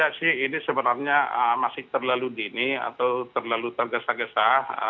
bagi kami pekerja sih ini sebenarnya masih terlalu dini atau terlalu tergesa gesa